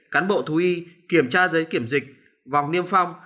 cán bộ thú y kiểm tra giấy kiểm dịch vòng niêm phong